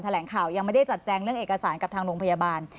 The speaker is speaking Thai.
แหลงข่าวยังไม่ได้จัดแจงเรื่องเอกสารกับทางโรงพยาบาล